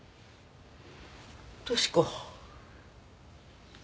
俊子。